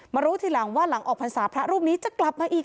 รู้ทีหลังว่าหลังออกพรรษาพระรูปนี้จะกลับมาอีก